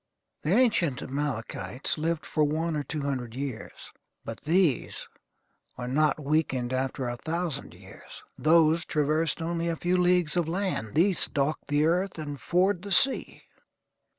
The ancient Amalekites lived for one or two hundred years; but these are not weakened after a thousand years. Those traversed only a few leagues of land; these stalk the earth and ford the sea.